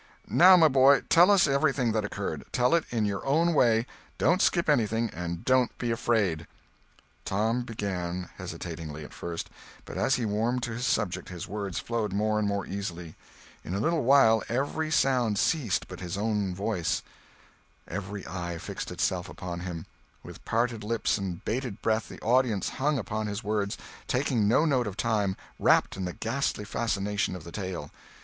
Now, my boy, tell us everything that occurred—tell it in your own way—don't skip anything, and don't be afraid." Tom began—hesitatingly at first, but as he warmed to his subject his words flowed more and more easily; in a little while every sound ceased but his own voice; every eye fixed itself upon him; with parted lips and bated breath the audience hung upon his words, taking no note of time, rapt in the ghastly fascinations of the tale.